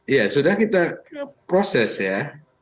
iya sudah kita proses ya